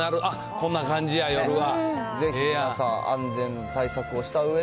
こんな感じや、夜は。